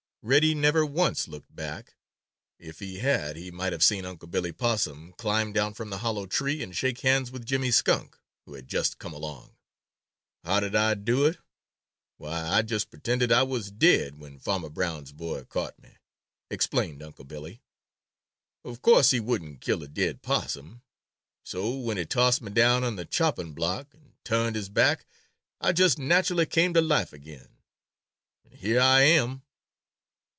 Reddy never once looked back. If he had, he might have seen Unc' Billy Possum climb down from the hollow tree and shake hands with Jimmy Skunk, who had just come along. "How did Ah do it? Why, Ah just pretended Ah was daid, when Farmer Brown's boy caught me," explained Unc' Billy. "Of course he' wouldn't kill a daid Possum. So when he tossed me down on the chopping block and turned his back, Ah just naturally came to life again, and here Ah am."